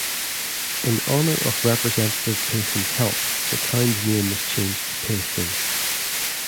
In honor of Representative Payson's help, the town's name was changed to "Payson".